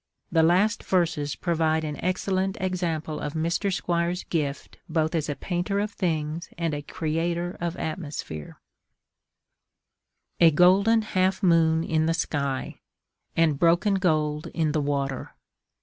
The last verses provide an excellent example of Mr. Squire's gift both as a painter of things and a creator of atmosphere: A golden half moon in the sky, and broken gold in the water.